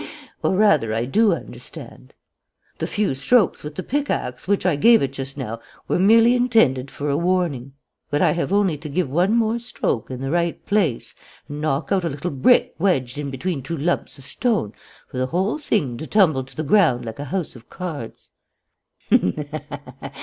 Or, rather, I do understand. "The few strokes with the pickaxe which I gave it just now were merely intended for a warning. But I have only to give one more stroke in the right place, and knock out a little brick wedged in between two lumps of stone, for the whole thing to tumble to the ground like a house of cards.